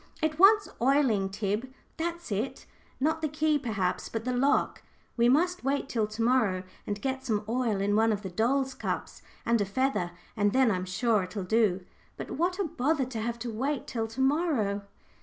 "It wants oiling, Tib that's it; not the key, perhaps, but the lock. We must wait till to morrow, and get some oil in one of the doll's cups, and a feather, and then I'm sure it'll do. But what a bother to have to wait till to morrow!"